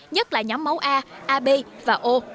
nhất là nhóm máu a ab và o